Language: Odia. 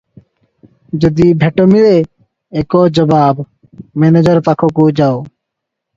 ଯଦି ଭେଟ ମିଳେ, ଏକ ଜବାବ, "ମେନେଜର ପାଖକୁ ଯାଅ ।"